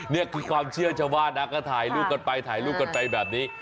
นี่คือความเชื่อชาวบ้านนะก็ถ่ายรูปกันไปถ่ายรูปกันไปแบบนี้